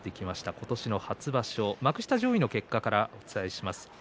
今年の初場所幕下上位の結果からお伝えします。